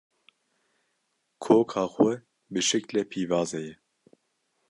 Koka xwe bi şeklê pîvazê ye